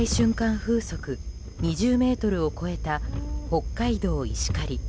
風速２０メートルを超えた北海道石狩。